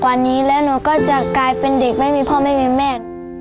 กว่านี้แล้วหนูก็จะกลายเป็นเด็กไม่มีพ่อไม่มีแม่